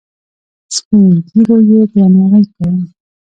سپین ږیرو یې درناوی کاوه.